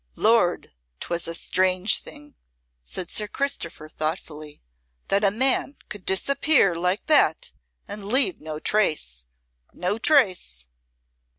"Lord, 'twas a strange thing," said Sir Christopher, thoughtfully, "that a man could disappear like that and leave no trace no trace."